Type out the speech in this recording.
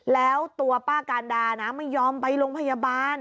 แล้วตัวป้าการดานะไม่ยอมไปโรงพยาบาล